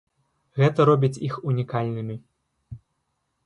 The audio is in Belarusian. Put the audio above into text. Гэта робіць іх унікальнымі.